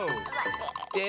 で